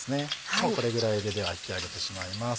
もうこれぐらいで引き上げてしまいます。